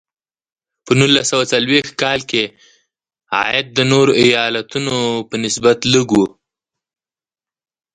په نولس سوه څلویښت کال کې عاید د نورو ایالتونو په نسبت لږ و.